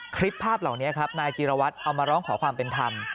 คลิปภาพเหล่านี้ครับนายจีรวัตรเอามาร้องขอความเป็นธรรม